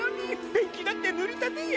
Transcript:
ペンキだってぬりたてや。